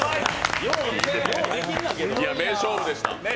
名勝負でした。